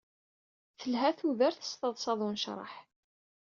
Telha tudert s taḍṣa d unecṛeḥ.